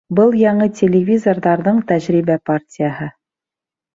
Был яңы телевизорҙарҙың тәжрибә партияһы